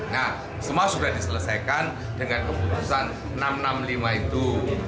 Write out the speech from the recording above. nah semua sudah diselesaikan dengan keputusan enam ratus enam puluh lima itu